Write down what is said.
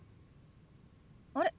あれ？